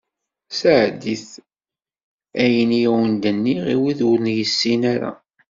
Sɛeddi-t ayen i awen-d-nniɣ i wid ur d-yusin ara.